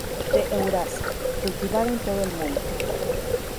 De Eurasia, cultivada en todo el mundo.